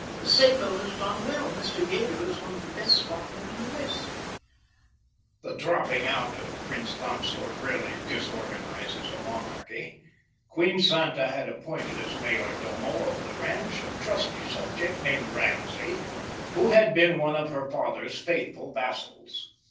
"The Seco has done well. Mr. Yeager is one of the best stockmen in the West." The dropping out of a prince consort rarely disorganises a monarchy. Queen Santa had appointed as mayordomo of the ranch a trusty subject, named Ramsay, who had been one of her father's faithful vassals.